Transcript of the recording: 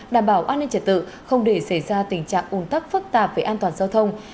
đảm bảo an ninh trật tự không để xảy ra tình trạng ủn tắc phức tạp về an toàn giao thông